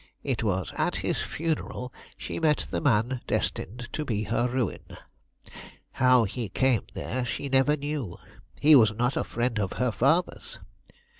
It was at his funeral she met the man destined to be her ruin. How he came there she never knew; he was not a friend of her father's.